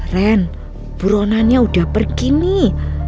ren buronannya udah pergi nih